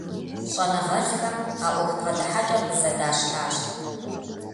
ЩӀэныгъэлӀхэм а Ӏуэху бгъэдыхьэкӀэр къызэдащтащ.